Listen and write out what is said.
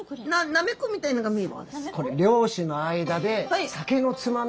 なめこみたいのが見える。